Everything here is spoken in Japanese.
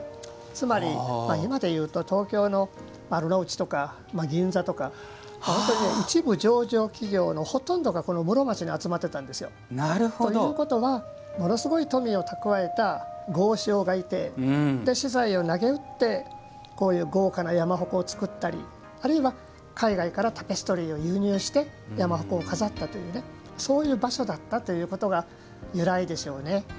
つまり、今でいうと東京の丸の内とか銀座とか、本当に一部上場企業のほとんどが室町に集まってたんですよ。ということはものすごい富を蓄えた豪商がいて、私財を投げ打ってこういう豪華な山鉾を作ったりあるいは、海外からタペストリーを輸入して山鉾を飾ったというそういう場所だったというのが由来でしょうね。